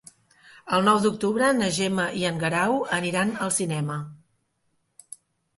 El nou d'octubre na Gemma i en Guerau aniran al cinema.